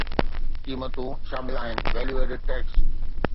قيمتون شامل آهن ويليو ايڊڊ ٽيڪس